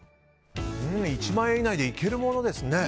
１万円以内で行けるものですね。